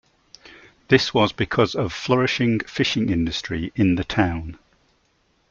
This was because of flourishing, fishing industry in the town.